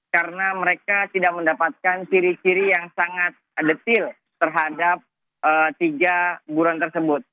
karena mereka tidak mendapatkan ciri ciri yang sangat detil terhadap tiga burun tersebut